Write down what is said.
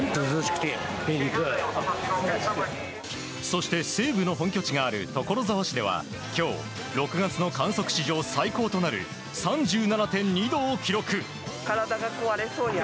そして、西武の本拠地がある所沢市では今日、６月の観測史上最高となる３７．２度を記録。